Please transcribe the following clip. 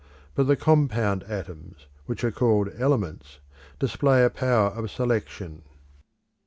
But the compound atoms, which are called elements, display a power of selection.